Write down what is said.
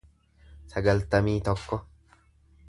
sagaltamii tokko